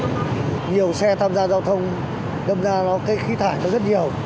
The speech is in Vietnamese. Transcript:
nhiều xe tham gia giao thông đâm ra nó cái khí thải nó rất nhiều